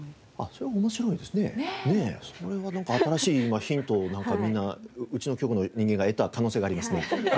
それは新しいヒントをみんなうちの局の人間が得た可能性がありますね。